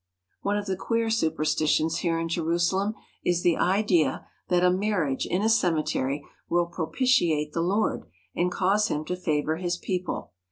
One of the queer superstitions here in Jerusalem is the idea that a marriage in a cemetery will propitiate the Lord and cause Him to favour His people.